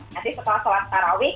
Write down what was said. nanti setelah sholat tarawih